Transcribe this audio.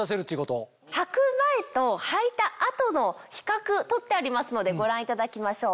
はく前とはいた後の比較撮ってありますのでご覧いただきましょう。